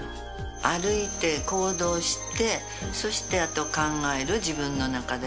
歩いて行動してそしてあと考える自分の中で。